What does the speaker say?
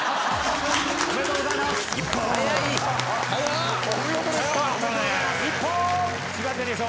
おめでとうございます。